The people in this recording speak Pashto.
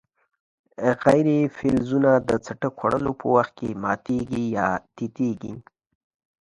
غیر فلزونه د څټک خوړلو په وخت کې ماتیږي یا تیتیږي.